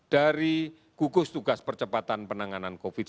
dari gugus tugas percepatan penanganan covid sembilan belas